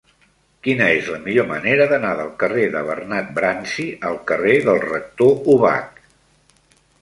Quina és la millor manera d'anar del carrer de Bernat Bransi al carrer del Rector Ubach?